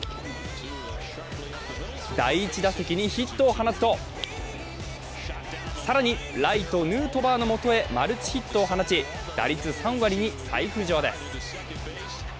第１打席にヒットを放つと更にライト、ヌートバーのもとへマルチヒットを放ち打率３割に再浮上です。